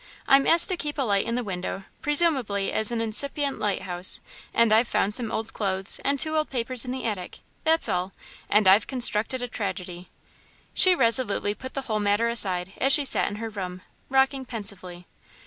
"I'm asked to keep a light in the window, presumably as an incipient lighthouse, and I've found some old clothes and two old papers in the attic that's all and I've constructed a tragedy." She resolutely put the whole matter aside, as she sat in her room, rocking pensively.